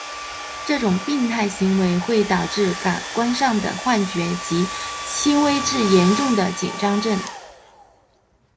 这种病态行为会导致感官上的幻觉及轻微至严重的紧张症。